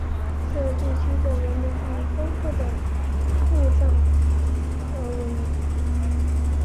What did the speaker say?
该地区的文明以丰富的墓葬而闻名。